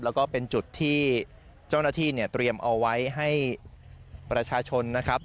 แล้วก็เป็นจุดที่เจ้าหน้าที่เนี่ยเตรียมเอาไว้ให้ประชาชนนะครับ